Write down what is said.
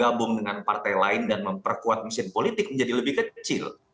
bergabung dengan partai lain dan memperkuat mesin politik menjadi lebih kecil